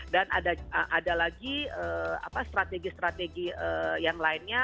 dan ada lagi strategi strategi yang lainnya